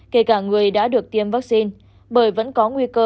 kể cả người đã được tiêm vaccine bởi vẫn có nguy cơ